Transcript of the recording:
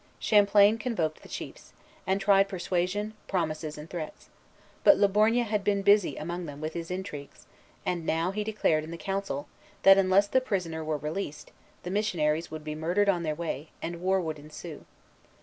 Champlain convoked the chiefs, and tried persuasion, promises, and threats; but Le Borgne had been busy among them with his intrigues, and now he declared in the council, that, unless the prisoner were released, the missionaries would be murdered on their way, and war would ensue.